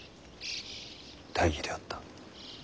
大儀であった。